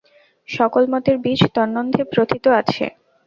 সকল মতের বীজ তন্মধ্যে প্রোথিত আছে।